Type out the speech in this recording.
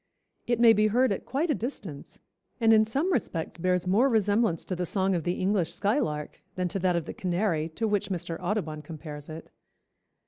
It may be heard at quite a distance, and in some respects bears more resemblance to the song of the English skylark than to that of the canary, to which Mr. Audubon compares it."